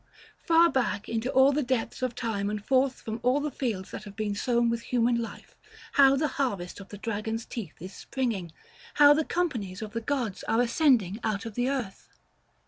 far back into all the depths of time, and forth from all the fields that have been sown with human life, how the harvest of the dragon's teeth is springing! how the companies of the gods are ascending out of the earth!